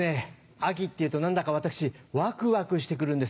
秋っていうと何だか私ワクワクして来るんです。